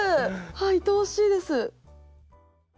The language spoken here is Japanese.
いとおしいです。